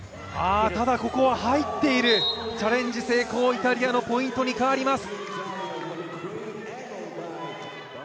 ただ、ここは入っている、チャレンジ成功、イタリアのポイントに変わります。